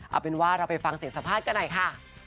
เอาเป็นว่าเราไปฟังเสียงสัมภาษณ์กันหน่อยค่ะ